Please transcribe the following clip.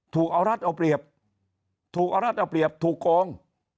ถูกเอารัฐเอาเปรียบถูกเอารัฐเอาเปรียบถูกโกง